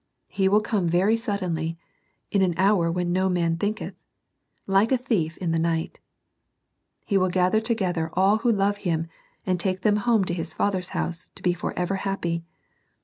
He will come very suddenly^ in an hour when no man thinketh ; like a thief in the night He will gather together all who love Him, and take them home to His Father's house, to be for ever happy.